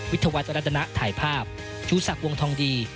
วิทยาวัตรดนักถ่ายภาพชู้สักวงทองดี